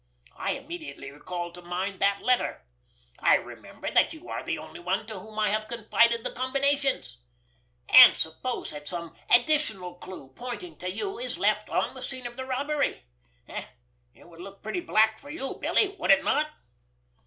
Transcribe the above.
I immediately recall to mind that letter. I remember that you are the only one to whom I have confided the combinations. And suppose that some additional clue pointing to you is left on the scene of the robbery? It would look pretty black for you, Billy, would it not?